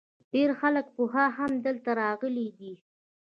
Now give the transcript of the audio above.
ډیری خلک پخوا هم دلته راغلي دي